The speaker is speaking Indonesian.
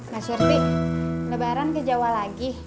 mas surfi lebaran ke jawa lagi